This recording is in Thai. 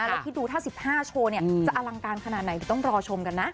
แล้วคิดดูถ้า๑๕โชว์เนี่ยจะอลังการขนาดไหนต้องรอชมกันนะ